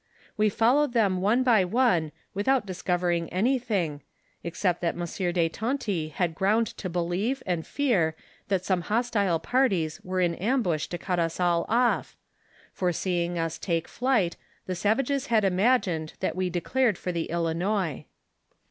"We followed them one by one without discovering anything, except that M. de Tonty had ground to believe and fear that some hostile parties were in ambush to cut liS all off, for seeing us take flight, the savages had imagined ti^at we declared for the Ilinois.